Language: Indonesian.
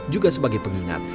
juga sebagai pengingat